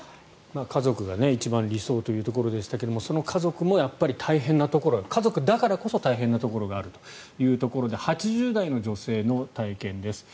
家族が一番理想というところでしたがその家族もやっぱり大変なところが家族だからこそ大変なところがあるというところで８０代の女性の体験です。